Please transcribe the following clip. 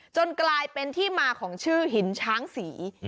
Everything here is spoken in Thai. กลายเป็นที่มาของชื่อหินช้างศรี